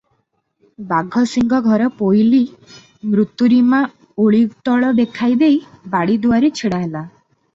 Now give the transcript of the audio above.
ବାଘସିଂହ ଘର ପୋଇଲୀ ମୃତୁରୀମା ଓଳିତଳ ଦେଖାଇଦେଇ ବାଡ଼ିଦୁଆରେ ଛିଡ଼ାହେଲା ।